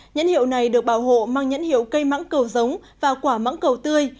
nhãn hiệu này được bảo hộ mang nhãn hiệu cây mắng cầu giống và quả mắng cầu tươi